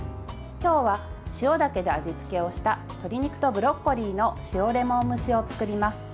今日は塩だけで味付けをした鶏肉とブロッコリーの塩レモン蒸しを作ります。